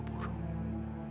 itu keputusan yang terburu buru